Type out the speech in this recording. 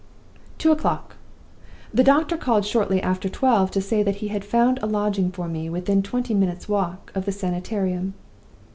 "Two o'clock. The doctor called shortly after twelve to say that he had found a lodging for me within twenty minutes' walk of the Sanitarium.